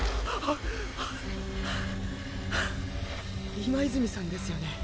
今泉さんですよね。